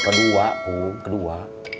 kedua kung kedua